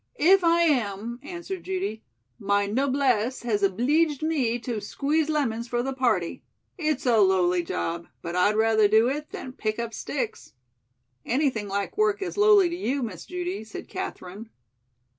"If I am," answered Judy, "my noblesse has obleeged me to squeeze lemons for the party. It's a lowly job, but I'd rather do it than pick up sticks." "Anything like work is lowly to you, Miss Judy," said Katherine.